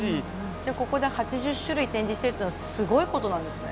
じゃあここで８０種類展示してるっていうのはすごいことなんですね。